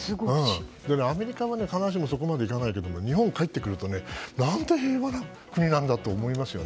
アメリカは必ずしもそうではないけれども日本に帰ってくるとねなんて平和な国なんだと思いますよね。